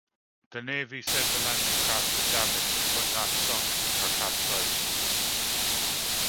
The Navy said the landing craft was damaged, but not sunk or capsized.